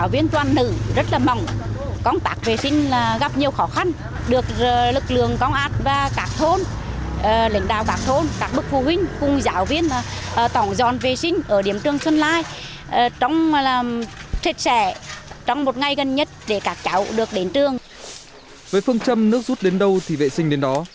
với phương châm nước rút đến đâu thì vệ sinh đến đó